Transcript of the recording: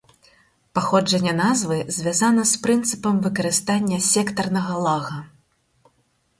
Паходжанне назвы звязана з прынцыпам выкарыстання сектарнага лага.